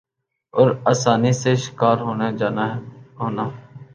اور آسانی سے شکار ہونا جانا ہونا ۔